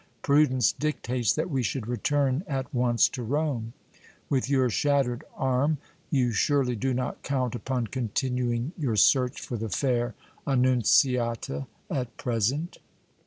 Prudence dictates that we should return at once to Rome. With your shattered arm, you surely do not count upon continuing your search for the fair Annunziata at present?"